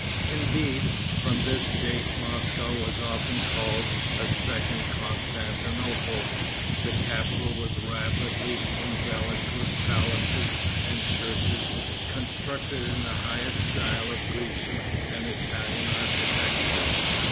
Indeed, from this date Moscow was often called a second Constantinople. The capital was rapidly embellished with palaces and churches, constructed in the highest style of Grecian and Italian architecture.